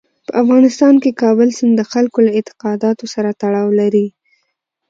په افغانستان کې کابل سیند د خلکو له اعتقاداتو سره تړاو لري.